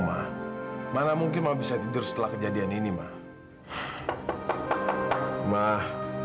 mah mana mungkin ma bisa tidur setelah kejadian ini mah mah